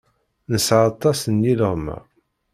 Nesɛa aṭas n yileɣma.